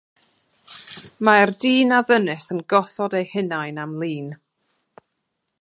Mae'r dyn a'r ddynes yn gosod eu hunain am lun.